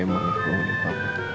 yang penting untuk para an guriga